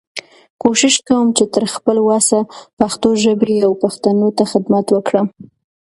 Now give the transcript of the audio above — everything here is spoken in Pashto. کوشش کوم چې تر خپل وسه پښتو ژبې او پښتنو ته خدمت وکړم.